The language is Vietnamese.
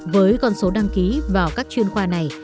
với con số đăng ký vào các chuyên khoa này